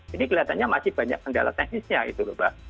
jadi kelihatannya masih banyak kendala teknisnya itu mbak